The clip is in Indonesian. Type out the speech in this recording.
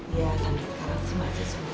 iya kan sekarang sih macet semua